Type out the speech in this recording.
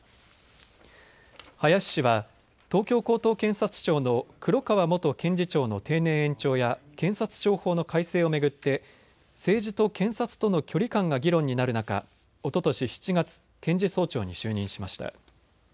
林氏は東京高等検察庁の黒川元検事長の定年延長や検察庁法の改正を巡って政治と検察との距離感が議論になる中、おととし７月、検事総長に就任しました。